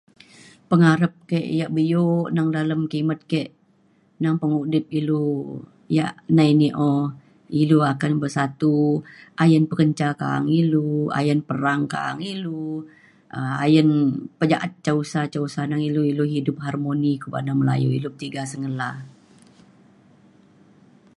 pengarap ke' ya biuk nang dalem kimet ke' nang pengudip ilu ya' nai ni o ilu akan bersatu ayen pekenca ka'ang ilu ayen perang ka'ang ilu um ayen pejaat ca usa ca usa nang ilu ilu hidup harmoni ko ba'an da melayu ilu tiga sengela